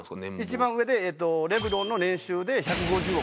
一番上でレブロンの年収で１５０億とか。